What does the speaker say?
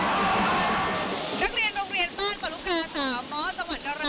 นักเรียนโรงเรียนบ้านปะรุกาสาม้อจังหวัดนรา